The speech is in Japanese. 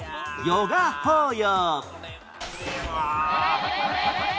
ヨガ法要。